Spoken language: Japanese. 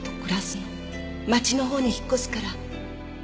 街のほうに引っ越すから。